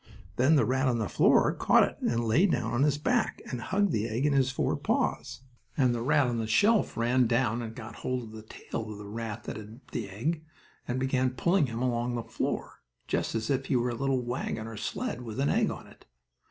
Then the rat on the floor caught it and lay down on his back, and hugged the egg in his four paws, and the rat on the shelf ran down and got hold of the tail of the rat that had the egg and began pulling him along the floor, just as if he were a little wagon or sled with an egg on it.